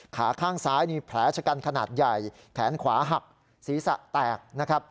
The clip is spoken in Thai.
ขาข้างซ้ายมีแผลชะกันขนาดใหญ่แขนขวาหักศีรษะแตกนะครับ